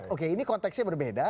oke ini konteksnya berbeda